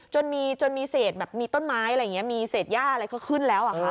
จนมีเศษแบบมีต้นไม้อะไรอย่างนี้มีเศษหญ้าอะไรเขาขึ้นแล้วค่ะ